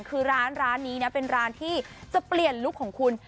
คือร้านนี้นะเป็นร้านที่จะเปลี่ยนลุคของคุณ